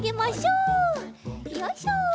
よいしょ！